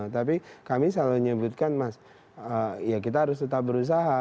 tapi kami selalu menyebutkan mas ya kita harus tetap berusaha